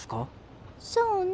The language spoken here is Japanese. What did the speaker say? そうね。